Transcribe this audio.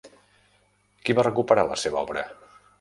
Qui va recuperar la seva obra?